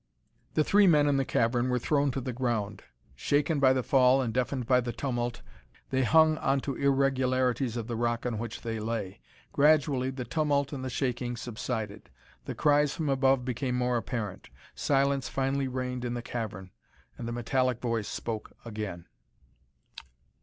The three men in the cavern were thrown to the ground. Shaken by the fall and deafened by the tumult, they hung onto irregularities of the rock on which they lay. Gradually the tumult and the shaking subsided. The cries from above became more apparent. Silence finally reigned in the cavern and the metallic Voice spoke again.